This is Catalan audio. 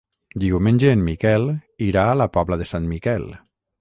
Diumenge en Miquel irà a la Pobla de Sant Miquel.